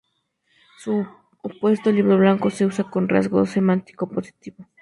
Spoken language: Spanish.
Su opuesto, "libro blanco", se usa con un rasgo semántico positivo.